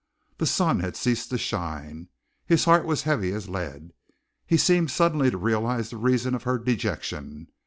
The sun had ceased to shine, his heart was heavy as lead. He seemed suddenly to realize the reason of her dejection.